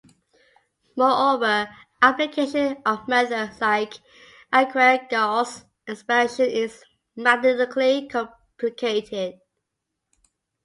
Moreover, application of methods like Laguerre gauss expansion is mathematically complicated.